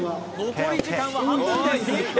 残り時間は半分です